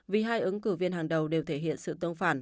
vì hai ứng cử viên hàng đầu đều thể hiện sự tương phản